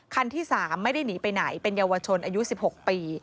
คันที่๓ไม่ได้หนีไปไหนเป็นเยาวชนอายุ๑๖ปี